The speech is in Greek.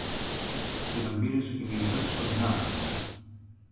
και τον πήρε στο κυνηγητό στα σκοτεινά